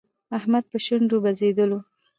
احمد په شونډو بزېدلو.